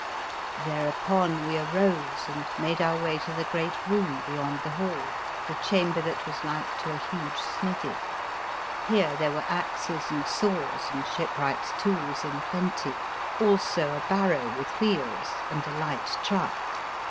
Thereupon we arose, and made our way to the great room beyond the hall, the chamber that was like to a huge smithy. Here there were axes and saws and shipwright's tools in plenty; also a barrow with wheels and a light truck.